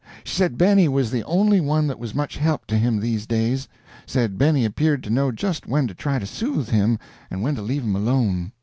She said Benny was the only one that was much help to him these days. Said Benny appeared to know just when to try to soothe him and when to leave him alone.